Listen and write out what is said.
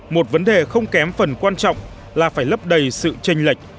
một vấn đề không kém phần quan trọng là phải lấp đầy sự tranh lệch